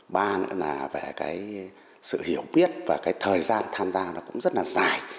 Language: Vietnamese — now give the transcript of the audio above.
ba nữa là về cái sự hiểu biết và cái thời gian tham gia nó cũng rất là dài